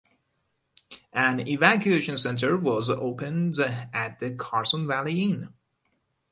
An evacuation center was opened at the Carson Valley Inn.